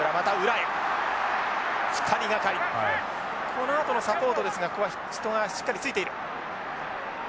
このあとのサポートですがここは人がしっかりついている。